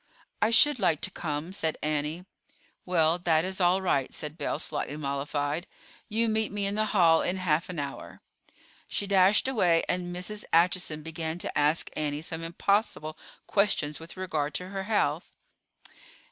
"I should like to come," said Annie. "Well, that is all right," said Belle, slightly mollified; "you meet me in the hall in half an hour." She dashed away, and Mrs. Acheson began to ask Annie some impossible questions with regard to her health.